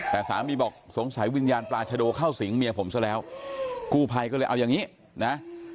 แต่สามีบอกสงสัยวิญญาณปราชโดเข้าสิงเมียผมซะแล้วกู้ภัยก็เลยเอาอย่างนี้นะ